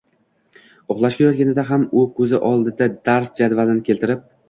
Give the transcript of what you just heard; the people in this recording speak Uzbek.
– uxlashga yotganida ham u ko‘z oldiga dars jadvalini keltirib